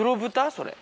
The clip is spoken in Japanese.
それ。